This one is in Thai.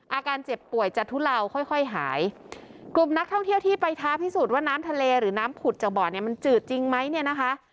อาการเจ็บป่วยจะทุเลาค่อยค่อยหายกลุ่มนักท่องเที่ยวที่ไปท้าพิสูจน์ว่าน้ำทะเลหรือน้ำผุดจากบ่อเนี่ยมันจืดจริงไหมเนี่ยนะคะ